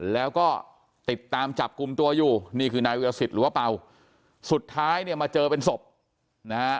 แล้วก็ติดตามจับกลุ่มตัวอยู่นี่คือนายวิรสิตหรือว่าเป่าสุดท้ายเนี่ยมาเจอเป็นศพนะฮะ